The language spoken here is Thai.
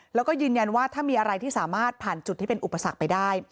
แล้วก็ยืนยันว่าถ้ามีอะไรที่สามารถผ่านจุดที่เป็นอุปสรรคไปได้